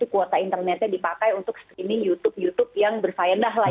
kuota internetnya dipakai untuk screening youtube youtube yang berfaedah lah